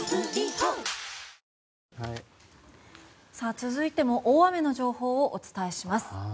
続いても大雨の情報をお伝えします。